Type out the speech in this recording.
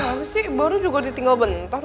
abis sih baru juga ditinggal bentar